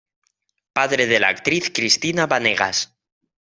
Padre de la actriz Cristina Banegas.